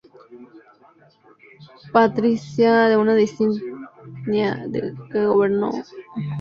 Patriarca de una dinastía que gobernó Agder durante varias generaciones.